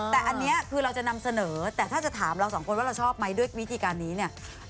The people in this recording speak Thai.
แต่อันนี้คือเราจะนำเสนอแต่ถ้าจะถามเราสองคนว่าเราชอบไหมด้วยวิธีการนี้เนี่ย